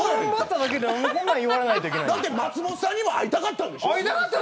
松本さんにも会いたかったでしょ。